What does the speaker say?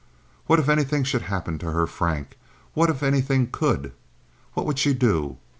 What if anything should happen to her Frank? What if anything could? What would she do?